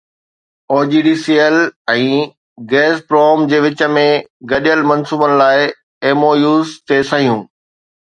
OGDCL ۽ Gazprom جي وچ ۾ گڏيل منصوبن لاءِ ايم او يوز تي صحيحون